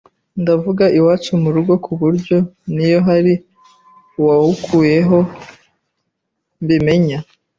ndavuga iwacu mu rugo ku buryo n’iyo hari uwawukuyeho mbimenya